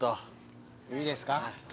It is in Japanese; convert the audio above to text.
いいですか？